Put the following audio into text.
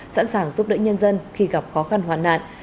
sẵn sàng giúp đỡ nhân dân khi gặp khó khăn hoàn nạn